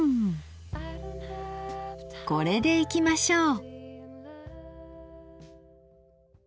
これでいきましょう。